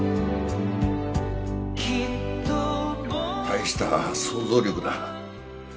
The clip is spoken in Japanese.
大した想像力だ。